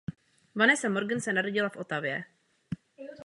Vanessa Morgan se narodila v Ottawě.